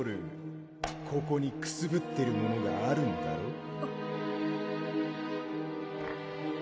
ここにくすぶってるものがあるんだろう？